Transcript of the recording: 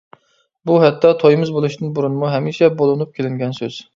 بۇ ھەتتا تويىمىز بولۇشتىن بۇرۇنمۇ ھەمىشە بولۇنۇپ كېلىنگەن سۆز.